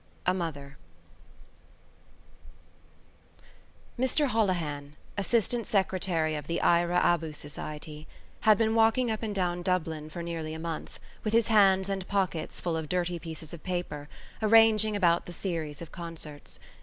A MOTHER Mr Holohan, assistant secretary of the Eire Abu Society, had been walking up and down Dublin for nearly a month, with his hands and pockets full of dirty pieces of paper, arranging about the series of concerts.